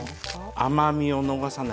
甘みを逃さない。